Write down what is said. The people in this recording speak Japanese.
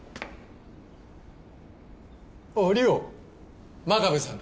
あぁ理央真壁さんだ。